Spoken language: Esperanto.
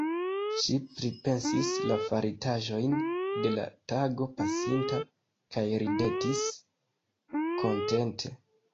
Ŝi pripensis la faritaĵojn de la tago pasinta kaj ridetis kontente.